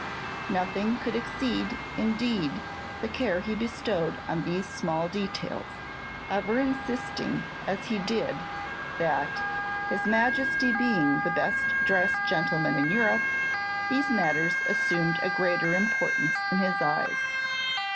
Nothing could exceed, indeed, the care he bestowed on these small details; ever insisting as he did that, his Majesty being the best dressed gentleman in Europe, these matters assumed a greater importance in his eyes.